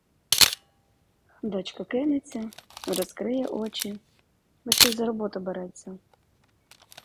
Дочка кинеться; розкриває очі; мерщій за роботу береться.